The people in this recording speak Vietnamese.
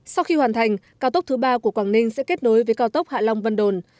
sau khi hoàn thành cao tốc thứ ba của quảng ninh sẽ kết nối với cao tốc hạ long vân đồn